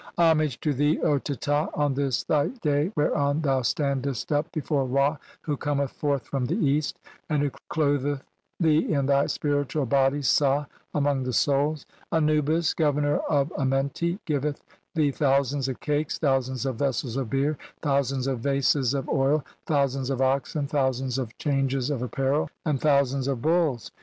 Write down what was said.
(384) "Homage to thee, Teta, on this thy day 'whereon thou standest up before Ra who cometh 'forth from the East, and who clotheth thee in thy 'spiritual body (sah) among the souls Anubis, 'Governor of Amenti, giveth thee thousands of cakes, 'thousands of vessels of beer, thousands of vases of 'oil, thousands of oxen, thousands of changes of ap 'parel, and thousands of bulls.